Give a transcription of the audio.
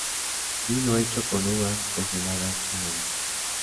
Vino hecho con uvas congeladas en la vid.